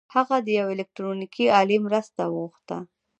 هغه د يوې الکټرونيکي الې مرسته وغوښته.